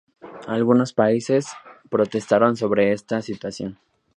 Algunos países protestaron sobre esta situación.